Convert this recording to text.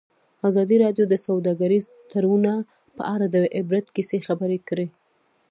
ازادي راډیو د سوداګریز تړونونه په اړه د عبرت کیسې خبر کړي.